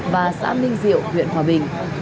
và xã minh diệu huyện hòa bình